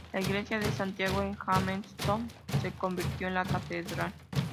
La Iglesia de Santiago en Jamestown se convirtió en la catedral.